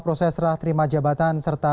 proses terima jabatan serta